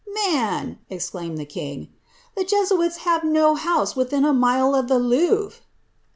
^* Man !^' exclaimed the king, ^ the Jesuits have no house within a mile of the Louvre.''